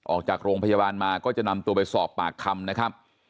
ออกจากโรงพยาบาลมาก็จะนำตัวไปสอบปากคำนะครับ